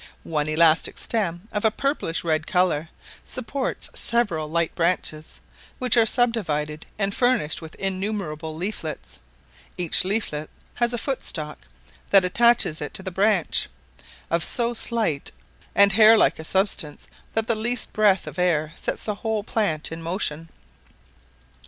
One elastic stem, of a purplish red colour, supports several light branches, which are subdivided and furnished with innumerable leaflets; each leaflet has a footstalk, that attaches it to the branch, of so slight and hair like a substance that the least breath of air sets the whole plant in motion.